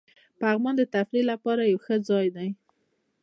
پغمان د تفریح لپاره یو ښه ځای دی.